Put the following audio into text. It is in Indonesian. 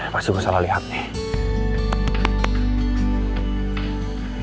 pasti gue salah liat nih